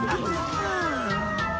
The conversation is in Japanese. はあ。